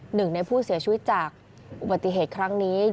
หนึ่งในผู้เสียชีวิตจากอุบัติเหตุครั้งนี้